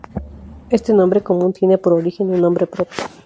Este nombre común tiene por origen un nombre propio.